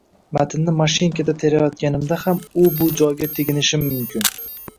Matnni mashinkada terayotganimda ham u-bu joyga teginishim mumkin